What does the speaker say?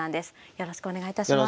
よろしくお願いします。